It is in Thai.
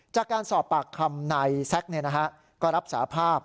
จากการสอบปากคำนายแซ็กก็รับสาภาพ